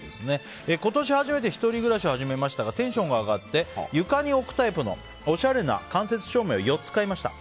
今年初めて１人暮らしを始めましたがテンションが上がって床に置くタイプのおしゃれな間接照明を４つ買いました。